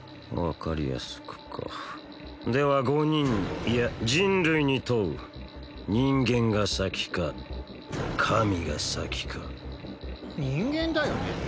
分かりやすくかでは５人にいや人類に問う人間が先か神が先か人間だよね